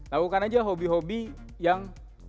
lakukan aja hobi hobi yang